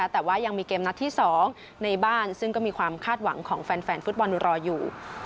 แต่ว่ายังมีเกมนัดที่๒ในบ้านซึ่งก็มีความคาดหวังของแฟนฟุตบอลรออยู่